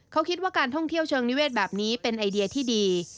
เขาคิดว่าการท่องเที่ยวเชิงนิเวศแบบนี้เป็นไอเดียที่ดี